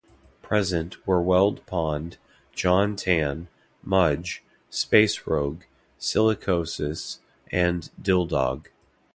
Present were Weld Pond, John Tan, Mudge, Space Rogue, Silicosis and Dildog.